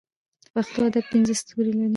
د پښتو ادب پنځه ستوري لري.